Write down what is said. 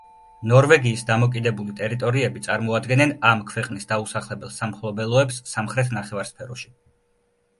ნორვეგიის დამოკიდებული ტერიტორიები წარმოადგენენ ამ ქვეყნის დაუსახლებელ სამფლობელოებს სამხრეთ ნახევარსფეროში.